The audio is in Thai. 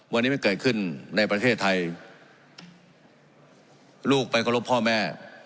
วันนี้มันเกิดขึ้นในประเทศไทยลูกไปเคารพพ่อแม่